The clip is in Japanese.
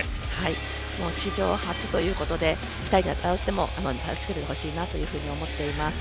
もう史上初ということで２人としても楽しんでほしいなと思っています。